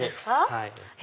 はい。